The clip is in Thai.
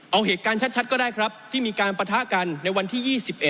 เอาเหตุการณ์ชัดก็ได้ครับที่มีการปะทะกันในวันที่๒๑